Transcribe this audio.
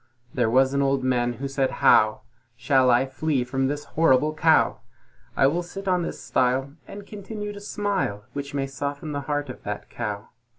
There was an Old Man who said "How Shall I flee from this horrible Cow? I will sit on this stile, and continue to smile, Which may soften the heart of that Cow."